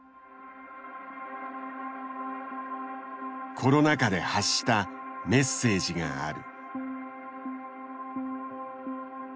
コロナ禍で発したメッセージがある。